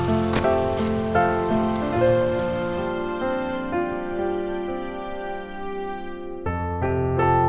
membentuk ada parah di dalam